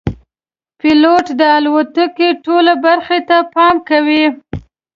پیلوټ د الوتکې ټولو برخو ته پام کوي.